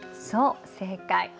そう正解。